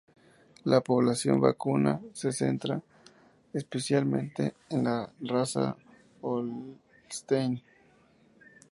La población vacuna se centra especialmente en la raza holstein.